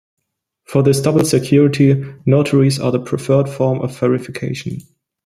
For this double security, notaries are the preferred form of verification.